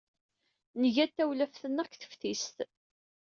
Nga-d tawlaft-nneɣ deg teftist.